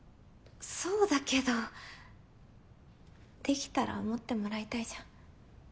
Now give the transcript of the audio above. そうだけどできたら思ってもらいたいじゃん？